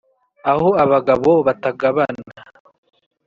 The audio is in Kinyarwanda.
Aho abagabo batagabana